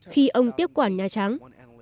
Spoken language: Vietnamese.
khi ông tiếp quản nhà trắng